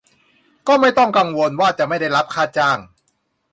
ก็ไม่ต้องกังวลว่าจะไม่ได้รับค่าจ้าง